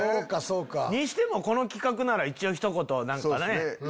にしてもこの企画なら一応ひと言何かね。